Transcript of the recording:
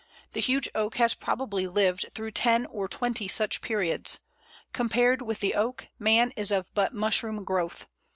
The huge Oak has probably lived through ten or twenty such periods. Compared with the Oak, man is but of mushroom growth.